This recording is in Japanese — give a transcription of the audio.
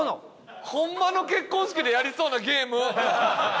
ホンマの結婚式でやりそうなゲーム。